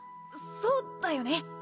そうだよね。